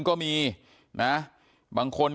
ก็มีนะบางคน